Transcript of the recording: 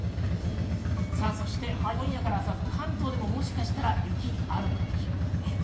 今夜から明日朝、関東でももしかしたら雪があるかもしれません。